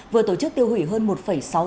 vừa tổ chức tiêu hủy hơn một bộ phòng tài liệu